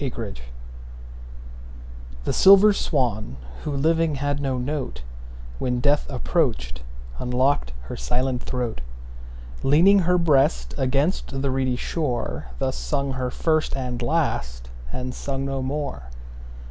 6 Autoplay The silver swan, who living had no note, When death approach'd, unlock'd her silent throat; Leaning her breast against the reedy shore, Thus sung her first and last, and sung no more.